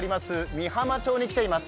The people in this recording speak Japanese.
美浜町に来ています。